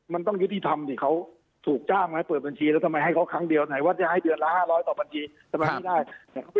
มันต้องยุติธรรมสิเขาถูกจ้างไหมเปิดบัญชีแล้วทำไมให้เขาครั้งเดียวไหนว่าจะให้เดือนละ๕๐๐ต่อบัญชีทำไมไม่ได้